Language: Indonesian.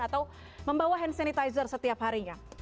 atau membawa hand sanitizer setiap harinya